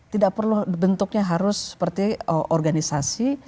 tidak perlu bentuknya harus seperti organisasi